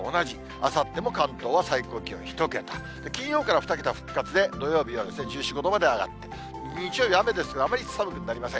あさっても関東は最高気温１桁、金曜から２桁復活で、土曜日は１４、５度まで上がって、日曜日雨ですが、あまり寒くなりません。